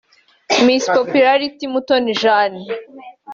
Miss Popularity Mutoni Jane